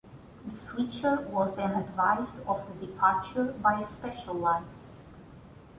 The switcher was then advised of the departure by a special light.